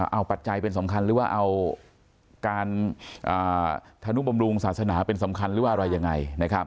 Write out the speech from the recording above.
เอาปัจจัยเป็นสำคัญหรือว่าเอาการธนุบำรุงศาสนาเป็นสำคัญหรือว่าอะไรยังไง